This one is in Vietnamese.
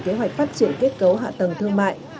kế hoạch phát triển kết cấu hạ tầng thương mại